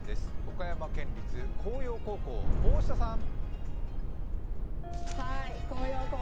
岡山県立興陽高校、大下さん。